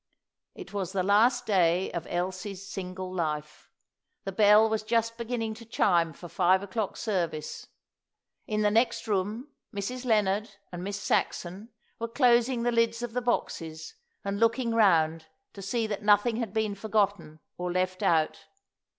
It was the last day of Elsie's single life. The bell was just beginning to chime for five o'clock service; in the next room Mrs. Lennard and Miss Saxon were closing the lids of the boxes and looking round to see that nothing had been forgotten or left out.